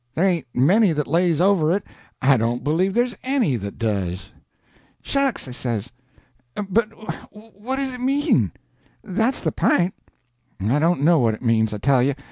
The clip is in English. There ain't many that lays over it. I don't believe there's any that does." "Shucks!" I says. "But what does it mean?—that's the p'int." "I don't know what it means, I tell you.